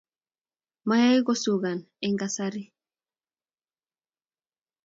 moayei kusakan eng kasari